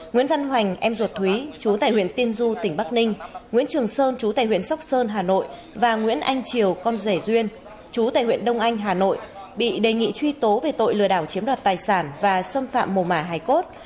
nguyễn văn hoành em ruột thúy chú tại huyện tiên du tỉnh bắc ninh nguyễn trường sơn chú tài huyện sóc sơn hà nội và nguyễn anh triều con rể duyên chú tại huyện đông anh hà nội bị đề nghị truy tố về tội lừa đảo chiếm đoạt tài sản và xâm phạm mùa mả hải cốt